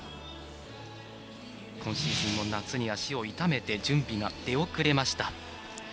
今シーズンも夏に足を痛めて準備が出遅れました。